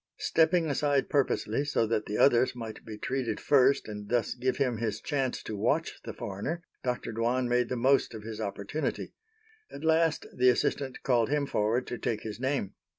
Stepping aside purposely so that the others might be treated first and thus give him his chance to watch the foreigner, Dr. Dwan made the most of his opportunity. At last the assistant called him forward to take his name.